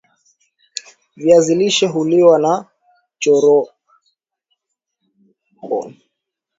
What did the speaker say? viazi lishe huliwa na nachoroko